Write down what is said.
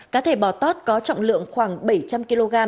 cá thể bò tót có trọng lượng khoảng bảy trăm linh kg